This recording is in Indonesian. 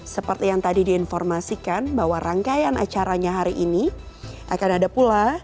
seperti yang tadi diinformasikan bahwa rangkaian acaranya hari ini akan ada pula